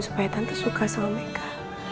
supaya tante suka sama mega